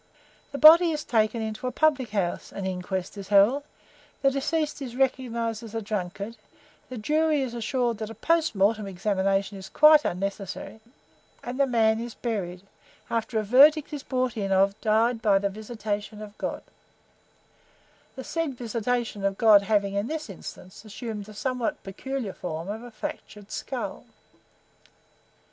The body is taken into a public house, an inquest is held, the deceased is recognized as a drunkard, the jury is assured that a POST MORTEM examination is quite unnecessary; and the man is buried, after a verdict is brought in of 'Died by the visitation of God;' the said visitation of God having, in this instance, assumed the somewhat peculiar form of a fractured skull!"